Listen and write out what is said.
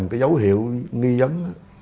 cái dấu hiệu nghi dấn